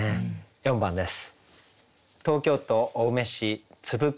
４番です。